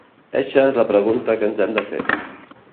Eixa és la pregunta que ens hem de fer.